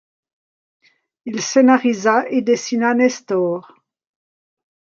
Il scénarisa et dessina Nestor.